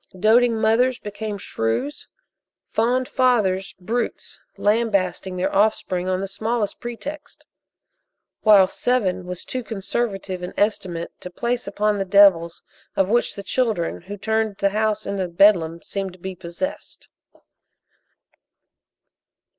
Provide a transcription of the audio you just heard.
Doting mothers became shrews; fond fathers, brutes, lambasting their offspring on the smallest pretext; while seven was too conservative an estimate to place upon the devils of which the children who turned the house into Bedlam seemed to be possessed.